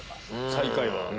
最下位は？